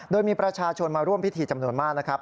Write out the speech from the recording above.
โดยมีประชาชนมาร่วมพิธีจำนวนมากนะครับ